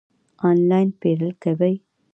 آنلاین پیرل کوئ؟